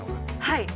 はい！